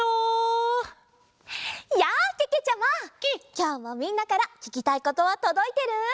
きょうもみんなからききたいことはとどいてる？